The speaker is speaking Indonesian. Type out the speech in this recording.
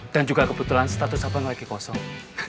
dan juga kebetulan status abang lagi kosong